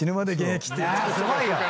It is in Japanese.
すごいよ。